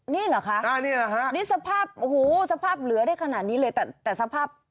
นี่เหรอคะนี่สภาพเหลือได้ขนาดนี้เลยแต่สภาพ